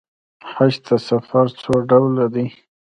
حج ته سفر څو ډوله دی.